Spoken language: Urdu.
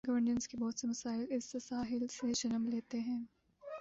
گورننس کے بہت سے مسائل اس تساہل سے جنم لیتے ہیں۔